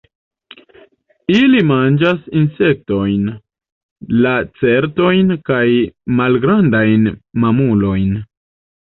Ili manĝas insektojn, lacertojn kaj malgrandajn mamulojn.